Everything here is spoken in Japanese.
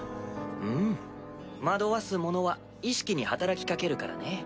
うん狂言師は意識に働き掛けるからね。